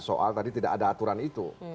soal tadi tidak ada aturan itu